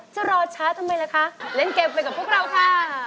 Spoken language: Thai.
จะรอช้าทำไมล่ะคะเล่นเกมไปกับพวกเราค่ะ